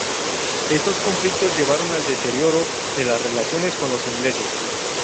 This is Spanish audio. Estos conflictos llevaron al deterioro de las relaciones con los ingleses.